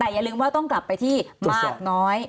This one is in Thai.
แต่อย่าลืมว่าต้องกลับไปที่มากน้อย